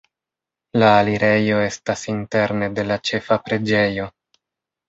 La alirejo estas interne de la ĉefa preĝejo.